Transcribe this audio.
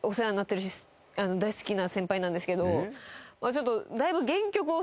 ちょっとだいぶ。